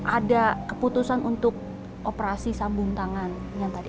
ada keputusan untuk operasi sambung tangan yang tadi